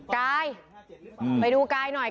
กายไปดูกายหน่อย